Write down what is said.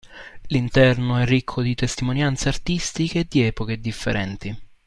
L'interno è ricco di testimonianze artistiche di epoche differenti.